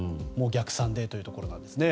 逆算でというところです。